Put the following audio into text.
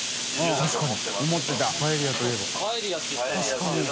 確かに。